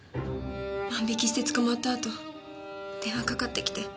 万引きして捕まったあと電話かかってきて。